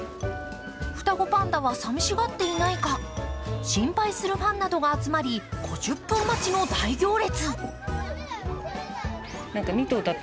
双子パンダは寂しがっていないか心配するファンなどが集まり５０分待ちの大行列。